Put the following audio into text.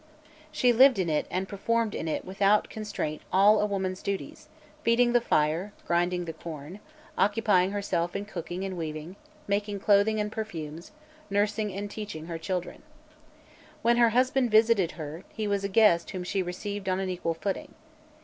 She lived in it and performed in it without constraint all a woman's duties; feeding the fire, grinding the corn, occupying herself in cooking and weaving, making clothing and perfumes, nursing and teaching her children. When her husband visited her, he was a guest whom she received on an equal footing.